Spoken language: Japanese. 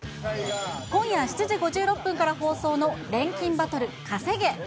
今夜７時５６分から放送の錬金バトルカセゲ。